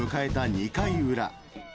２回裏。